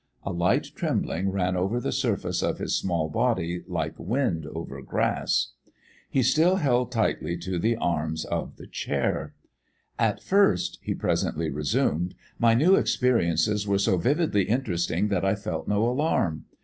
A light trembling ran over the surface of his small body like wind over grass. He still held tightly to the arms of the chair. "At first," he presently resumed, "my new experiences were so vividly interesting that I felt no alarm.